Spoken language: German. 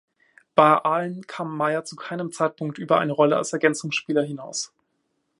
Bei Aalen kam Mayer zu keinem Zeitpunkt über eine Rolle als Ergänzungsspieler hinaus.